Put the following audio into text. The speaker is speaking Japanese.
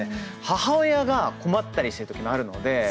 母親が困ったりしているときもあるので。